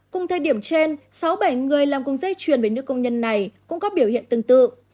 cùng thời điểm trên sáu bảy người làm công giấy truyền với nữ công nhân này cũng có biểu hiện tương tự